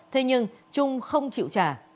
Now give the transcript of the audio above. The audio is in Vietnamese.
thế nhưng trung không chịu trả